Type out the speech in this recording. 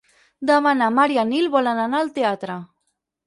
Demà na Mar i en Nil volen anar al teatre.